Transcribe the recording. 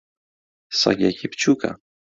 سەگێکی بچووکە.